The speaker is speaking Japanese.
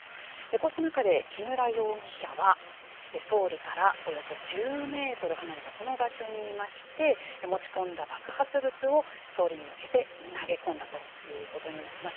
こうした中で木村容疑者は総理からおよそ１０メートル離れたこの場所にいまして持ち込んだ爆発物を総理に向けて投げ込んだということになります。